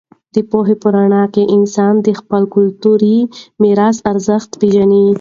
د پوهې په رڼا کې انسان د خپل کلتوري میراث ارزښت پېژني.